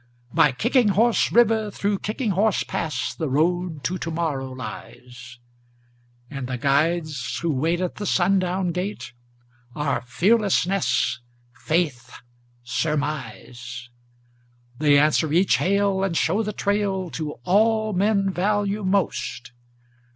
By Kicking Horse River, through Kicking Horse Pass, The Road to Tomorrow lies; And the guides who wait at the sundown gate Are Fearlessness, Faith, Surmise. They answer each hail and show the trail To all men value most.